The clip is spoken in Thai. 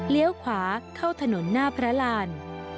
เลี้ยวขวาเข้าถนนหน้าพระราน